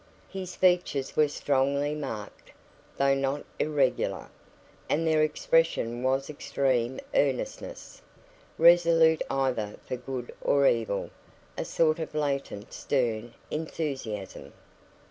His features were strongly marked, though not irregular, and their expression was extreme earnestness; resolute either for good or evil; a sort of latent, stern enthusiasm.